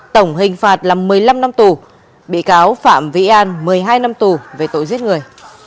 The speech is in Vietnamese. tổng hình phạt là một mươi năm năm tù bị cáo phạm vĩ an một mươi hai năm tù về tội giết người